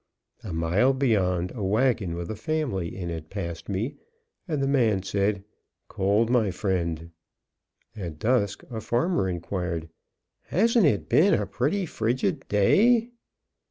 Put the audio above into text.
A mile beyond a wagon with a family in it passed me, and the man said, "Cold, my friend." At dusk a farmer inquired, "Hasn't it been a pretty frigid day?"